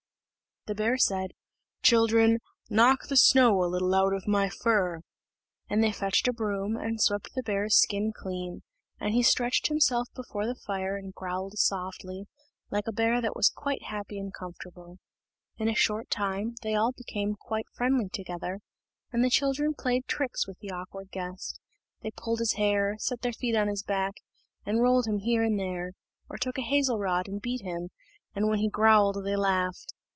The bear said, "Children, knock the snow a little out of my fur;" and they fetched a broom, and swept the bear's skin clean; and he stretched himself before the fire and growled softly, like a bear that was quite happy and comfortable. In a short time, they all became quite friendly together, and the children played tricks with the awkward guest. They pulled his hair, set their feet on his back, and rolled him here and there; or took a hazel rod and beat him, and when he growled they laughed.